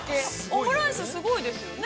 ◆オムライス、すごいですよね。